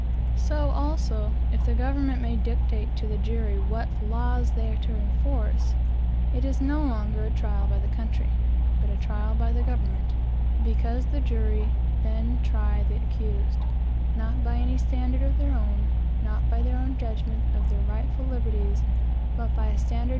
So, also, if the government may dictate to the jury what laws they are to enforce, it is no longer a " trial by the country," but a trial by the government; because the jury then try the accused, not by any standard of their own not by their own judgments of their rightful liberties but by a standard.